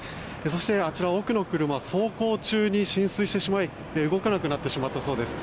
そして、あちら奥の車走行中に浸水してしまい動かなくなってしまったそうです。